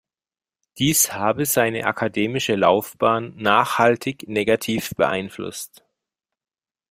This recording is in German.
Dies habe seine akademische Laufbahn nachhaltig negativ beeinflusst.